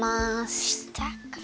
したから。